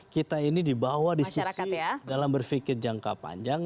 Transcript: kita ini dibawa diskusi dalam berfikir jangka panjang